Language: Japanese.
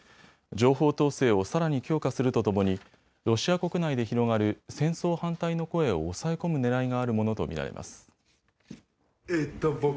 情報統制をさらに強化するとともにロシア国内で広がる戦争反対の声を押さえ込むねらいがあるものと見られます。